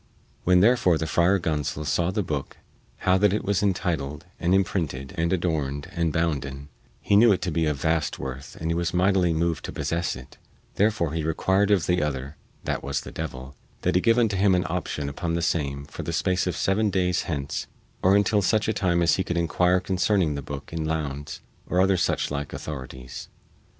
When therefore the Friar Gonsol saw the booke how that it was intituled and imprinted and adorned and bounden, he knew it to be of vast worth and he was mightily moved to possess it; therefore he required of the other (that was the devil) that he give unto him an option upon the same for the space of seven days hence or until such a time as he could inquire concerning the booke in Lowndes and other such like authorities.